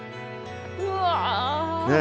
うわ！